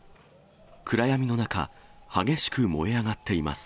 暗闇の中、激しく燃え上がっています。